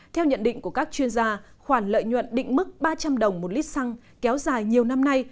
theo nhận định của các chuyên gia khoản lợi nhuận định mức ba trăm linh đồng một lít xăng kéo dài nhiều năm nay